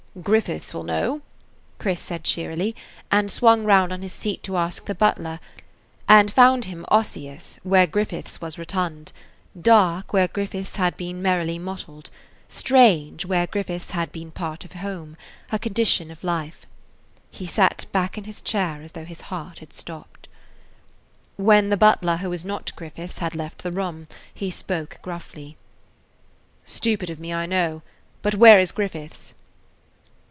"Griffiths will know," Chris said cheerily, and swung round on his seat to ask the butler, and found him osseous, where Griffiths was rotund; dark, where Griffiths had been merrily mottled; strange, where Griffiths had been a part of home, a condition of life. He sat back in his chair as though his heart had stopped. When the butler who is not Griffiths had left the room he spoke gruffly. "Stupid of me, I know; but where is Griffiths?"